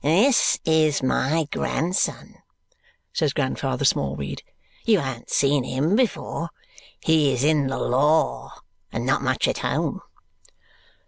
"This is my grandson," says Grandfather Smallweed. "You ha'n't seen him before. He is in the law and not much at home."